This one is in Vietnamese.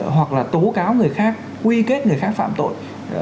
hoặc là tố cáo người khác quy kết người khác phạm tội